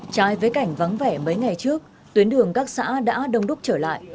trái với cảnh vắng vẻ mấy ngày trước tuyến đường các xã đã đông đúc trở lại